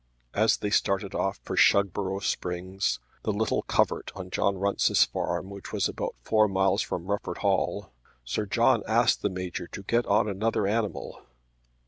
As they started off for Shugborough Springs, the little covert on John Runce's farm which was about four miles from Rufford Hall, Sir John asked the Major to get on another animal.